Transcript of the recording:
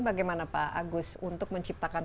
bagaimana pak agus untuk menciptakan